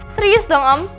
serius dong om